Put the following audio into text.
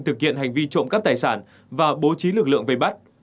thực hiện hành vi trộm cắp tài sản và bố trí lực lượng về bắt